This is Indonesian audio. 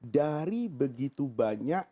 dari begitu banyak